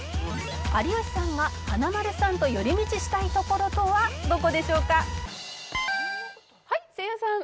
「有吉さんが華丸さんと寄り道したい所とはどこでしょうか？」はいせいやさん。